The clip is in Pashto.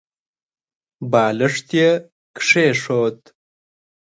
بالښت يې کېښود.